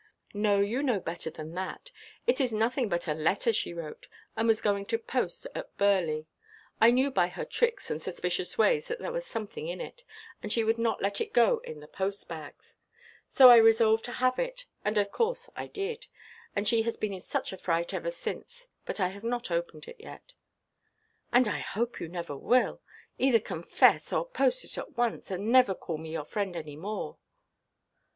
"No, you know better than that. It is nothing but a letter she wrote, and was going to post at Burley. I knew by her tricks and suspicious ways that there was something in it; and she would not let it go in the post–bag. So I resolved to have it; and of course I did. And she has been in such a fright ever since; but I have not opened it yet." "And I hope you never will. Either confess, or post it at once, or never call me your friend any more."